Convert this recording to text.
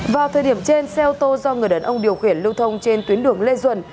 vào thời điểm trên xe ô tô do người đàn ông điều khiển lưu thông trên tuyến đường lê duẩn